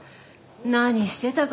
何してたかなぁ？